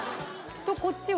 こっちは？